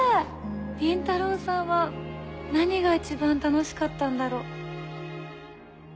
倫太郎さんは何が一番楽しかったんだろう？